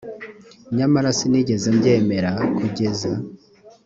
nyamara sinigeze mbyemera s kugeza